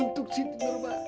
untuk siti norbaya